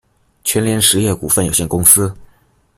全联实业股份有限公司